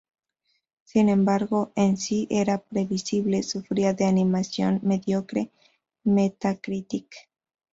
Sin embargo, en sí era "previsible", sufría de "animación mediocre" Metacritic.